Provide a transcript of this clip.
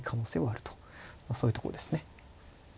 そういうとこですね。